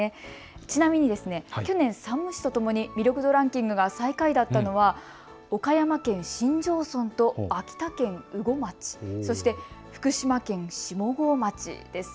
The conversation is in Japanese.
ちなみに山武市とともに魅力度ランキングが最下位だったのは岡山県新庄村と秋田県羽後町、そして福島県下郷町です。